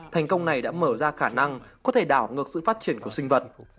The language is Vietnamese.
thành công này đã mở ra khả năng có thể đảo ngược sự phát triển của sinh vật